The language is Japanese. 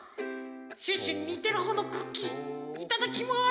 シュッシュににてるほうのクッキーいただきます。